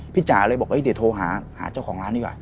จ๋าเลยบอกเดี๋ยวโทรหาเจ้าของร้านดีกว่า